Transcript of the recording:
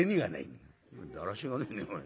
「だらしがねえねおい。